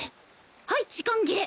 はい時間切れ！